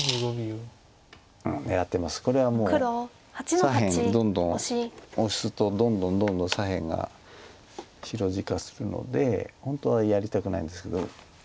左辺どんどんオスとどんどんどんどん左辺が白地化するので本当はやりたくないんですけど。